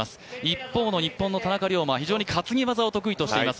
一方の日本の田中龍馬、担ぎ技を得意としています。